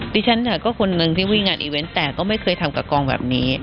ดิฉันค่ะก็คนหนึ่งที่วิ่งงานอีเวนต์แต่ก็ไม่เคยทำกับกองแบบนี้